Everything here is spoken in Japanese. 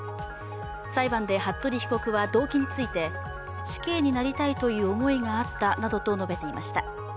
裁判で服部被告は動機について、死刑になりたいという思いがあったなどと述べていました。